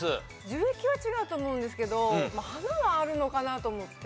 樹液は違うと思うんですけど花はあるのかなと思って。